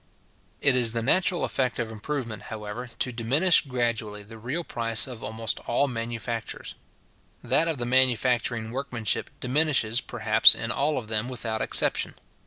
_ It is the natural effect of improvement, however, to diminish gradually the real price of almost all manufactures. That of the manufacturing workmanship diminishes, perhaps, in all of them without exception.